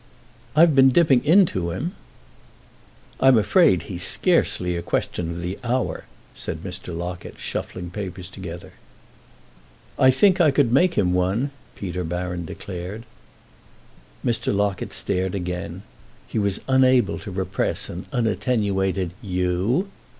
"I've been dipping into him." "I'm afraid he's scarcely a question of the hour," said Mr. Locket, shuffling papers together. "I think I could make him one," Peter Baron declared. Mr. Locket stared again; he was unable to repress an unattenuated "You?"